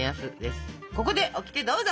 ここでオキテどうぞ！